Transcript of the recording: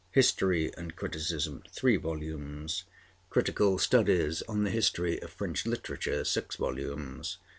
(History and Criticism) (3 vols.), (Critical Studies on the History of French Literature) (6 vols.)